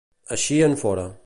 Eixir en fora.